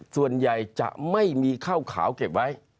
ส่วนใหญ่จะไม่มีข้าวขาวเก็บไว้